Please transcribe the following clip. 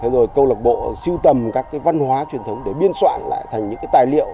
rồi câu lạc bộ siêu tầm các văn hóa truyền thống để biên soạn lại thành những tài liệu